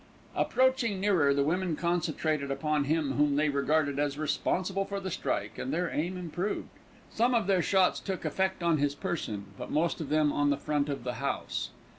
Approaching nearer, the women concentrated upon him whom they regarded as responsible for the strike, and their aim improved. Some of their shots took effect on his person, but most of them on the front of the house.